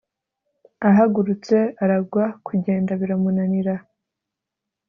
ahagurutse aragwa kunjyenda biramunanira